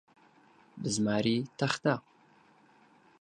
بزماری تەختە.